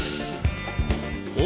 お！